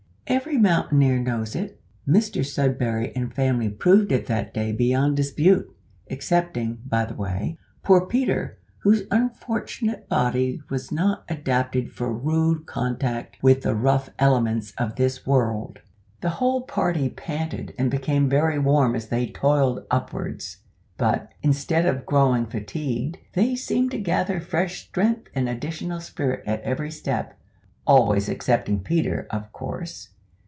Every mountaineer knows it; Mr Sudberry and family proved it that day beyond dispute, excepting, by the way, poor Peter, whose unfortunate body was not adapted for rude contact with the rough elements of this world. The whole party panted and became very warm as they toiled upwards; but, instead of growing fatigued, they seemed to gather fresh strength and additional spirit at every step always excepting Peter, of course.